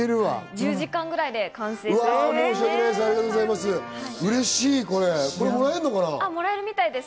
１０時間ぐらいで完成したそうです。